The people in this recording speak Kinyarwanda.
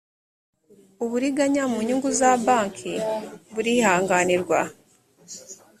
uburiganya mu nyungu za banki burihanganirwa